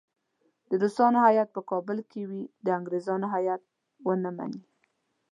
د روسانو هیات په کابل کې وي د انګریزانو هیات ونه مني.